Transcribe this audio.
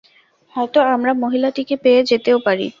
হয়তো আমরা মহিলাটিকে পেয়ে যেতেও পারি।